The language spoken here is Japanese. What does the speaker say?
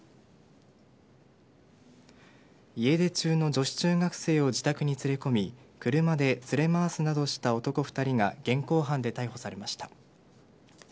家出中の女子中学生を自宅に連れ込み車で連れ戻すなどした男２人が現行犯で逮捕されました。